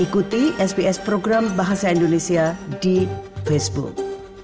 ikuti sps program bahasa indonesia di facebook